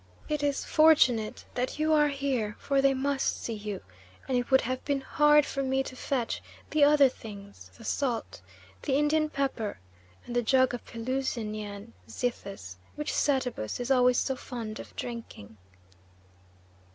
It is fortunate that you are here, for they must see you, and it would have been hard for me to fetch the other things: the salt, the Indian pepper, and the jug of Pelusinian zythus, which Satabus is always so fond of drinking."